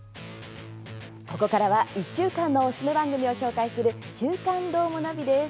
ここからは１週間のおすすめ番組を紹介する「週刊どーもナビ」です。